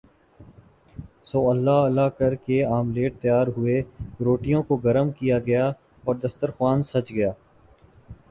سو اللہ اللہ کر کے آملیٹ تیار ہوئے روٹیوں کو گرم کیا گیااور دستر خوان سج گیا